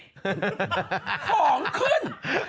ของขึ้น